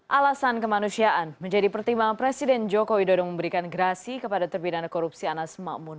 alasan kemanusiaan menjadi pertimbangan presiden joko widodo memberikan grasi kepada terbidana korupsi anas ma'amun